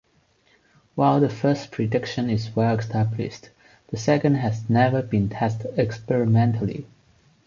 While the first prediction is well established, the second has never been tested experimentally.